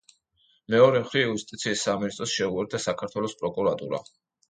მეორე მხრივ, იუსტიციის სამინისტროს შეუერთდა საქართველოს პროკურატურა.